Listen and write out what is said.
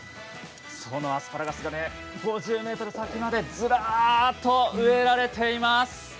このアスパラガス５０ｍ先までずらっと植えられています。